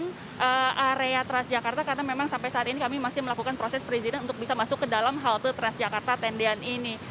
di area transjakarta karena memang sampai saat ini kami masih melakukan proses perizinan untuk bisa masuk ke dalam halte transjakarta tendian ini